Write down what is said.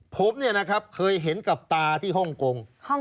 ผมเนี่ยนะครับเคยเห็นกับตาที่ฮ่องกง